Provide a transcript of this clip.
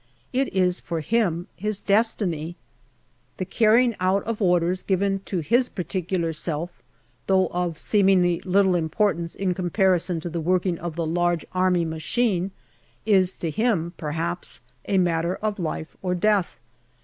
It is for him his destiny. The carrying out of orders given to his particular self, though of seemingly little importance in comparison to the working of the large Army machine, is to him perhaps a matter of life or death.